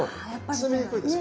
包みにくいです